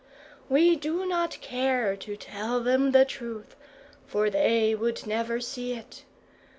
We do not care to tell them the truth, for they would never see it.